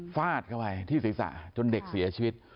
ฟาดเข้าไปที่ศิษย์ศาสตร์จนเด็กเสียชีวิต